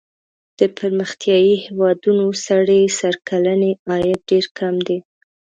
د پرمختیايي هېوادونو سړي سر کلنی عاید ډېر کم دی.